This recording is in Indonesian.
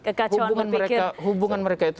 kekacauan berpikir hubungan mereka itu